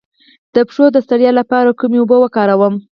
د پښو د ستړیا لپاره کومې اوبه وکاروم؟